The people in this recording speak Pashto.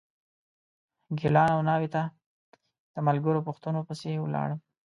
ګیلان او ناوې ته د ملګرو پوښتنو پسې ولاړم.